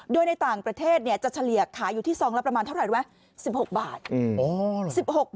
โดยในต่างประเทศเนี่ยจะเฉลี่ยขายอยู่ที่ซองละประมาณเท่าไหร่รู้ไหม